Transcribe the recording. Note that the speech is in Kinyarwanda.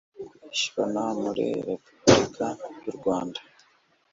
kwishyurana muri repubulika y' u rwanda